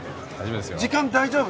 時間大丈夫？